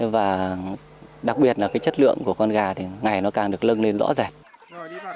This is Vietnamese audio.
và đặc biệt là chất lượng của con gà ngày càng được lưng lên rõ ràng